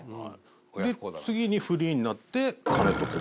で次にフリーになって。